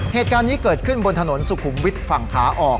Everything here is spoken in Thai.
เหตุการณ์นี้เกิดขึ้นบนถนนสุขุมวิทย์ฝั่งขาออก